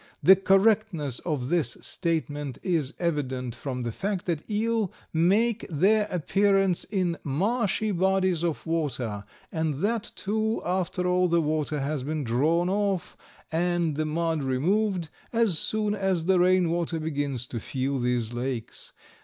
The correctness of this statement is evident from the fact that eels make their appearance in marshy bodies of water, and that, too, after all the water has been drawn off and the mud removed, as soon as the rain water begins to fill these lakes.